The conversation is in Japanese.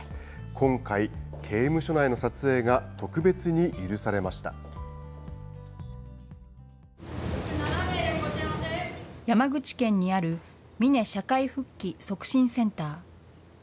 今回、刑務所内の撮影が特別に許山口県にある、美祢社会復帰促進センター。